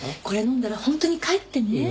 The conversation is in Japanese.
これ飲んだら本当に帰ってね。